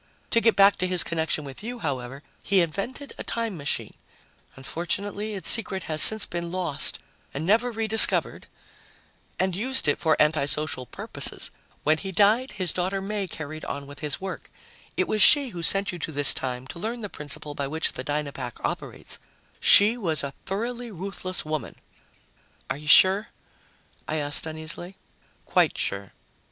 To get back to his connection with you, however, he invented a time machine unfortunately, its secret has since been lost and never re discovered and used it for anti social purposes. When he died, his daughter May carried on his work. It was she who sent you to this time to learn the principle by which the Dynapack operates. She was a thoroughly ruthless woman." "Are you sure?" I asked uneasily. "Quite sure."